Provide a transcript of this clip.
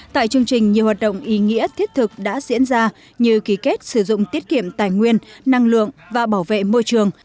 tại chương trình nhiều hoạt động ý nghĩa thiết thực đã diễn ra như ký kết sử dụng tiết kiệm tài nguyên năng lượng và bảo vệ môi trường